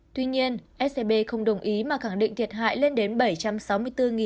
tuy nhiên scb không đồng ý mà khẳng định thiệt hại lên đến bảy trăm sáu mươi bốn